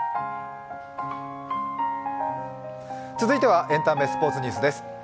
続いては、エンタメ＆スポーツニュースです。